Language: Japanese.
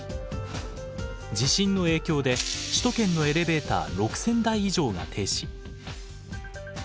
地震の影響で首都圏のエレベーター６，０００台以上が停止。